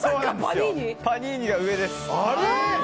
パニーニが上です。